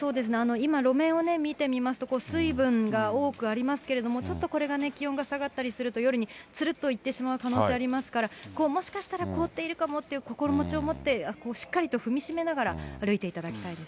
今、路面を見てみますと、水分が多くありますけれども、ちょっとこれがね、気温が下がったりすると、夜につるっといってしまう可能性ありますから、もしかしたら凍っているかもという心持ちを持って、しっかり踏みしめながら歩いていただきたいですね。